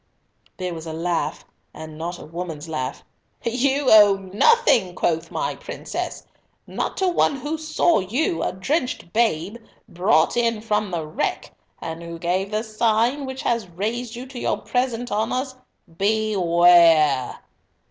There was a laugh, and not a woman's laugh. "You owe nothing, quoth my mistress? Not to one who saw you, a drenched babe, brought in from the wreck, and who gave the sign which has raised you to your present honours? Beware!"